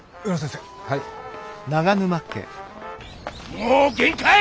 もう限界！